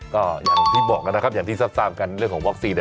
ก็อย่างที่บอกกันนะครับอย่างที่ซับซ้ำกันเรื่องของวัคซีน